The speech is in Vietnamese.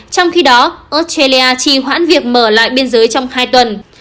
trong khi đó australia chỉ hoãn việc mở lại biên giới trong hai tuần